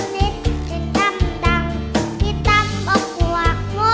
พูดมาพวก